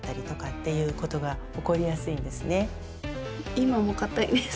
今もかたいです。